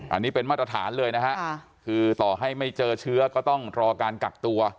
อันนี้เป็นมาตรฐานเลยนะฮะคือต่อให้ไม่เจอเชื้อก็ต้องรอการกักตัว